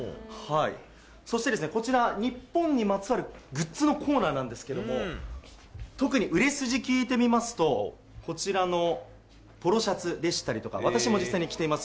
そしてこちら、日本にまつわるグッズのコーナーなんですけども、特に売れ筋聞いてみますと、こちらのポロシャツでしたりとか、私も実際に着ています